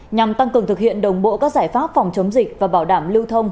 nhằm tăng cường thực hiện đồng bộ các giải pháp phòng chống dịch và bảo đảm lưu thông